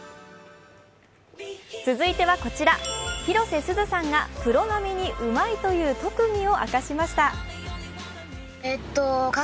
続いてはこちら、広瀬すずさんがプロ並みにうまいという特技を明かしました。